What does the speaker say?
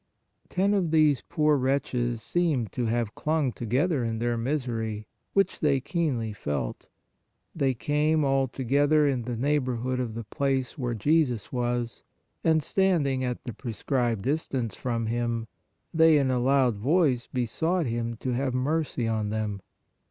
Ten of these poor wretches seem to have clung together in their misery, which they keenly felt. They came all together in the neighborhood of the place where Jesus was, and standing at the pre scribed distance from Him, they in a loud voice besought Him to have mercy on them.